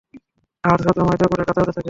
আহত শত্রুরা মাটিতে পড়ে কাতরাতে থাকে।